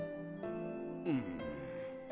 うん。